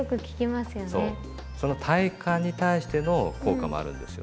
その体幹に対しての効果もあるんですよね。